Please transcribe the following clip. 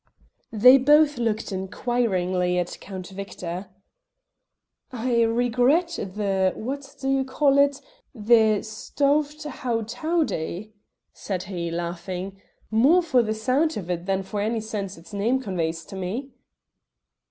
They both looked inquiringly at Count Victor. "I regret the what do you call it? the stoved howtowdy," said he, laughing, "more for the sound of it than for any sense its name conveys to me."